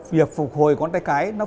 việc phục hồi ngón tay cái nó phụ thuộc